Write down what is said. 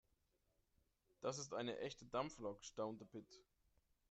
"Das ist eine echte Dampflok", staunte Pit.